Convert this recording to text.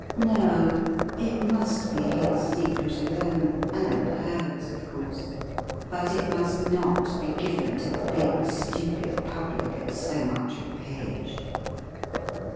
No, it must be his secret alone — and hers, of course ; but it must not be given to the big stupid public at so much a page.